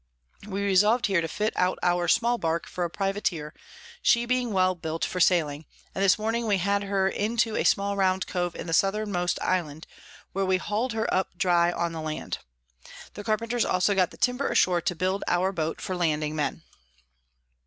We resolv'd here to fit out our small Bark for a Privateer, she being well built for sailing; and this Morning we had her into a small round Cove in the Southermost Island, where we haul'd her up dry on the Land. The Carpenters also got the Timber ashore, to build our Boat for landing Men.